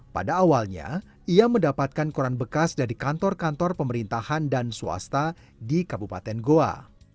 pada awalnya ia mendapatkan koran bekas dari kantor kantor pemerintahan dan swasta di kabupaten goa